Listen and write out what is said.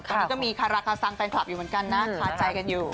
ตอนนี้ก็มีคาราคาซังแฟนคลับอยู่เหมือนกันนะคาใจกันอยู่